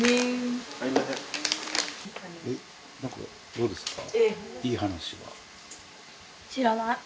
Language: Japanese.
どうですか？